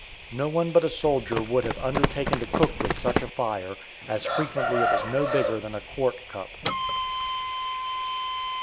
No one but a soldier would have undertaken to cook with such a fire, as frequently it was no bigger than a quart cup.